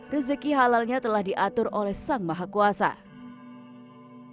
rezeki halalnya telah diatur oleh udin yang sedang mencari perahu untuk mencari uang dan uang untuk menjaga keasahannya